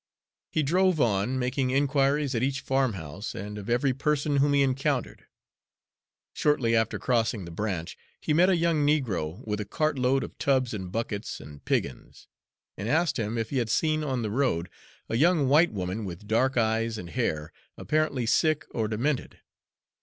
He drove on, making inquiries at each farmhouse and of every person whom he encountered. Shortly after crossing the branch, he met a young negro with a cartload of tubs and buckets and piggins, and asked him if he had seen on the road a young white woman with dark eyes and hair, apparently sick or demented.